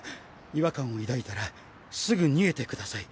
違和感を抱いたらすぐ逃げてください。